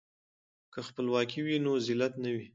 که خپلواکي وي نو ذلت نه وي.